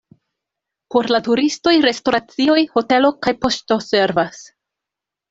Por la turistoj restoracioj, hotelo kaj poŝto servas.